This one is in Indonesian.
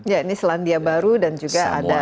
ya ini selandia baru dan juga ada